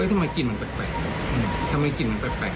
ทำไมกลิ่นมันแปลกทำไมกลิ่นมันแปลก